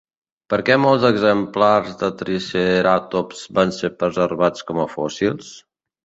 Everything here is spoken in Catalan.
Per què molts exemplars de triceratops van ser preservats com a fòssils?